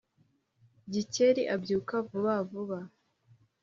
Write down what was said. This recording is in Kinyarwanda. Gikeli abyuka vuba vuba,